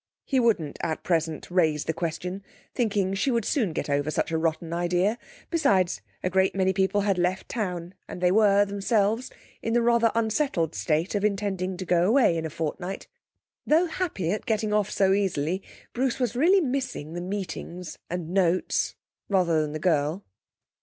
He wouldn't at present raise the question; thinking she would soon get over such a rotten idea. Besides, a great many people had left town; and they were, themselves, in the rather unsettled state of intending to go away in a fortnight. Though happy at getting off so easily, Bruce was really missing the meetings and notes (rather than the girl).